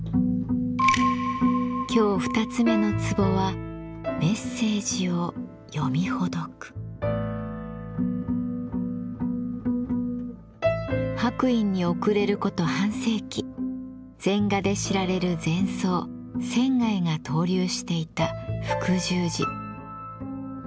今日２つ目の壺は白隠に遅れること半世紀禅画で知られる禅僧仙が逗留していた福聚寺。